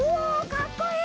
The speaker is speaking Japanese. かっこいい！